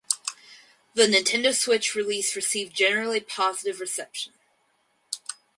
The Nintendo Switch release received generally positive reception.